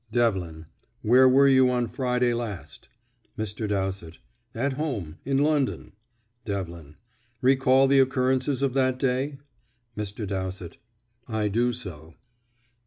Devlin: "Where were you on Friday last?" Mr. Dowsett: "At home, in London." Devlin: "Recall the occurrences of that day?" Mr. Dowsett: "I do so."